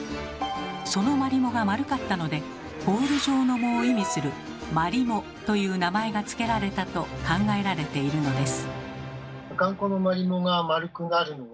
そのマリモが丸かったのでボール状の藻を意味する「毬藻」という名前が付けられたと考えられているのです。